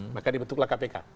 maka dibentuklah kpk